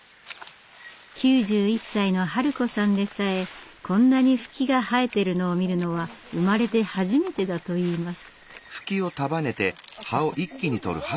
９１歳のハル子さんでさえこんなにフキが生えているのを見るのは生まれて初めてだといいます。